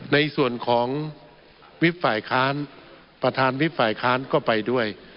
ในส่วนของวิบฝ่ายค้านประธานวิบฝ่ายค้านก็ไปด้วย